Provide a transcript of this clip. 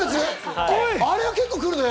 あれは結構来るな。